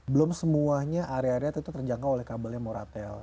belum semuanya area area itu terjangkau oleh kabelnya moratel